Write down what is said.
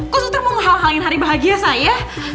kok suster mau ngalah ngalahin hari bahagia saya